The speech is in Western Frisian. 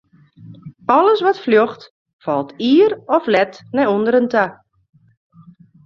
Alles wat fljocht, falt ier of let nei ûnderen ta.